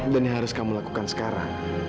dan yang harus kamu lakukan sekarang